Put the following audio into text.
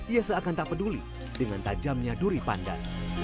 ia seakan tak peduli dengan tajamnya duri pandan